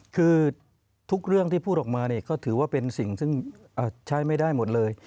คือทุกเรื่องที่พูดออกมาเนี่ยก็ถือว่าเป็นสิ่งซึ่งใช้ไม่ได้หมดเลย